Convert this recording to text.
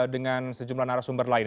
dengan sejumlah narasumber lain